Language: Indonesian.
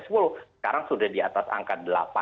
sekarang sudah di atas angka delapan